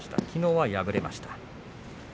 きのうは敗れました。